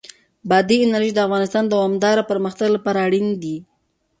بادي انرژي د افغانستان د دوامداره پرمختګ لپاره اړین دي.